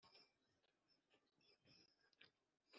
numbersko nterura ntazi iyo ndi